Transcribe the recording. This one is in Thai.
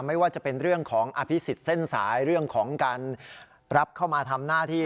ไม่ว่าจะเป็นเรื่องของอภิษฎเส้นสายเรื่องของการรับเข้ามาทำหน้าที่